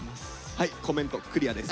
はいコメントクリアです。